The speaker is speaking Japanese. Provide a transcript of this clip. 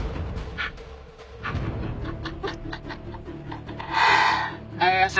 ハハハハ。